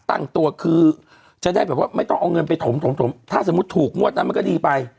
ตั้งตัวคือจะได้ไม่ต้องเอาเงินไปถมถ้าสมมติถูกมวดนั้นก็ดีไป